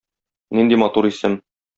Нинди матур исем!